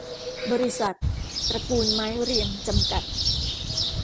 บริษัท ตระกูลไม้เรียง จำกัด